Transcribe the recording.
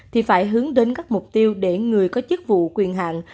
thì phải hướng đến các mục tiêu để người có chức vụ quyền hạn